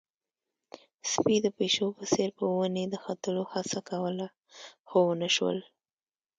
سپي د پيشو په څېر په ونې د ختلو هڅه کوله، خو ونه شول.